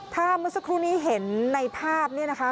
ถ้าเมื่อสักครู่นี้เห็นในภาพเนี่ยนะคะ